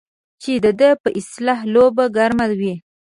چې د ده په اصطلاح لوبه ګرمه وي.